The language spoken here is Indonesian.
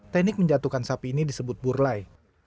teknik menjatuhkan sapi ini disebut burlai